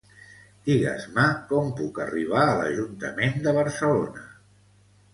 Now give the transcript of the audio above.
Digues-me com puc arribar a l'Ajuntament de Barcelona.